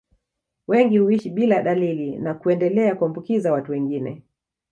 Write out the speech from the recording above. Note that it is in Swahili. Wengi huishi bila dalili na kuendelea kuambukiza watu wengine